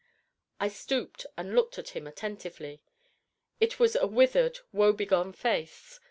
I stooped and looked at him attentively. It was a withered, woe begone face.